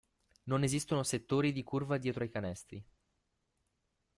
Non esistono settori di curva dietro ai canestri.